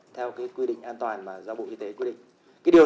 theo quy định an toàn mà do bộ y tế quy định